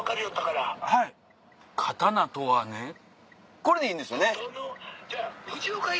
これでいいんですよね？